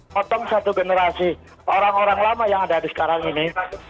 potong satu generasi orang orang lama yang ada di sekarang ini